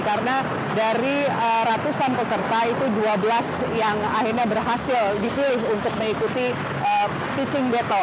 karena dari ratusan peserta itu dua belas yang akhirnya berhasil dipilih untuk mengikuti pitching beto